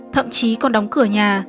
thậm chí còn đóng cửa nhà